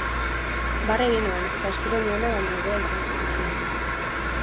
Barre egin nuen eta espero nuena baina hobea izan zen, behintzat.